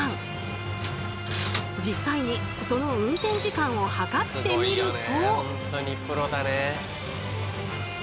実際にその運転時間を計ってみると。